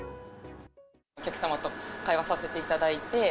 お客様と会話させていただいて。